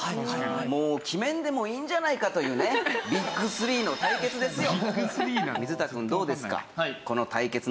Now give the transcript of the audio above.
もう決めんでもいいんじゃないかというねＢＩＧ３の対決ですよ。